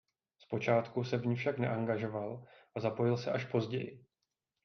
Zpočátku se v ní však neangažoval a zapojil se až později.